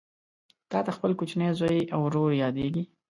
تاته خپل کوچنی زوی او ورور یادیږي